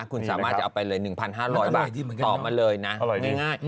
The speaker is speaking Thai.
คุณสามารถจะเอาไปเลย๑๕๐๐บาทตอบมาเลยนะง่าย